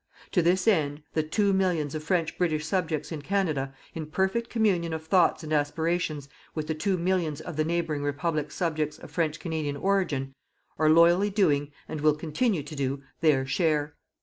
To this end the two millions of French British subjects in Canada, in perfect communion of thoughts and aspirations with the two millions of the neighbouring Republic's subjects of French Canadian origin, are loyally doing, and will continue to do, their share.